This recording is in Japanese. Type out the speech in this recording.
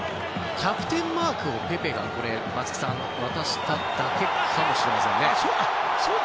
キャプテンマークをペペが渡しただけかもしれません。